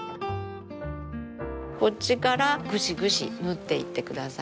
こっちからぐしぐし縫っていってください。